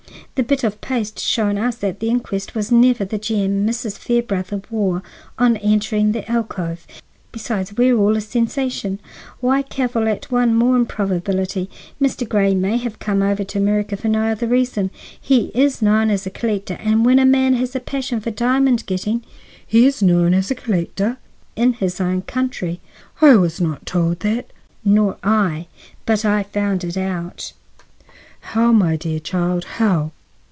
"The bit of paste shown us at the inquest was never the gem Mrs. Fairbrother wore on entering the alcove. Besides, where all is sensation, why cavil at one more improbability? Mr. Grey may have come over to America for no other reason. He is known as a collector, and when a man has a passion for diamond getting—" "He is known as a collector?" "In his own country." "I was not told that." "Nor I. But I found it out." "How, my dear child, how?"